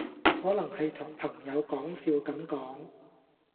可能係同朋友講笑咁講